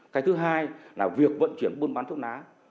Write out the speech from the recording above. cái thứ hai là việc vận chuyển buôn bán thuốc lá